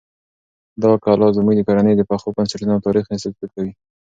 دا کلا زموږ د کورنۍ د پخو بنسټونو او تاریخ استازیتوب کوي.